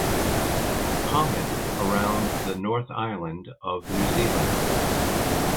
Common around the North Island of New Zealand.